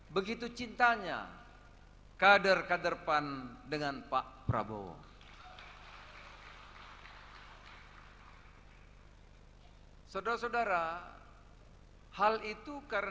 tetapi pak prabowo sudah menjadi saudara sehati brotherhood dan menjadi soulmate